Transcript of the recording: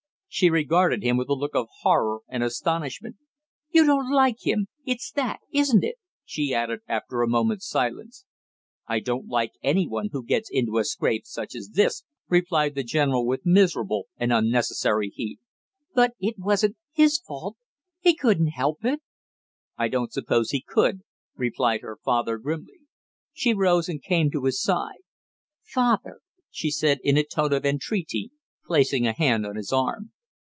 She regarded him with a look of horror and astonishment. "You don't like him! It's that, isn't it?" she added after a moment's silence. "I don't like any one who gets into a scrape such as this!" replied the general with miserable and unnecessary heat. "But it wasn't his fault he couldn't help it!" "I don't suppose he could," replied her father grimly. She rose and came close to his side. "Father!" she said in a tone of entreaty, placing a hand on his arm.